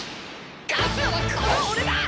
勝つのはこの俺だ！